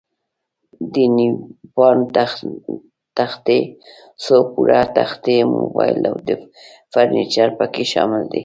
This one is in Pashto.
د نیوپان تختې، څو پوړه تختې، موبل او فرنیچر پکې شامل دي.